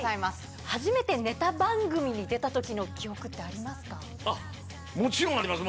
初めてネタ番組に出たときのもちろんあります。